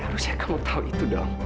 harusnya kau tahu itu dong